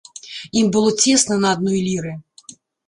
Ім было цесна на адной ліры.